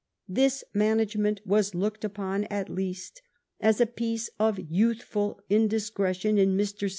This man agement was looked upon, at least as a piece of youth ful indiscretion in Mr. St.